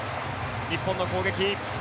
日本の攻撃。